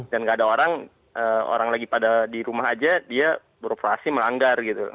dan nggak ada orang orang lagi pada di rumah aja dia beroperasi melanggar gitu